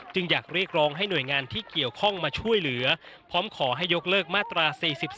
อยากเรียกร้องให้หน่วยงานที่เกี่ยวข้องมาช่วยเหลือพร้อมขอให้ยกเลิกมาตรา๔๔